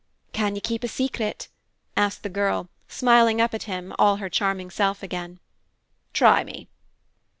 "Can you keep a secret?" asked the girl, smiling up at him, all her charming self again. "Try me."